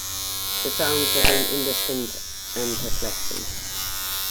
The sounds within indistinct and perplexing.